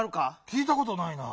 きいたことないな。